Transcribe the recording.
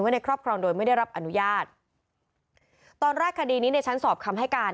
ในครอบครองโดยไม่ได้รับอนุญาตตอนแรกคดีนี้ในชั้นสอบคำให้การ